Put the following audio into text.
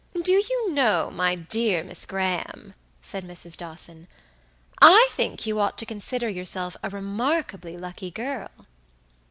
"Do you know, my dear Miss Graham," said Mrs. Dawson, "I think you ought to consider yourself a remarkably lucky girl?"